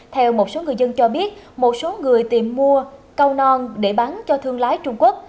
theo một số người dân cho biết một số người tìm mua cao non để bán cho thương lái trung quốc